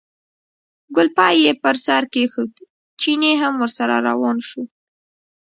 کولپۍ یې پر سر کېښوده، چيني هم ورسره روان شو.